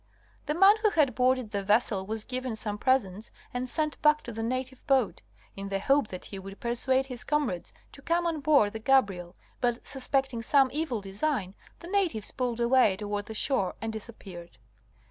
H.). The man who had boarded the vessel was given some presents and sent back to the native boat, in the hope that he would persuade his comrades to come on board the Gabriel, but, suspecting some evil design, the natives pulled away toward the shore and disap peared.